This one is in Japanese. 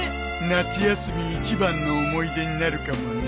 夏休み一番の思い出になるかもね。